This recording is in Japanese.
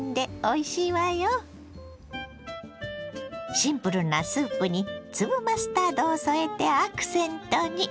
シンプルなスープに粒マスタードを添えてアクセントに。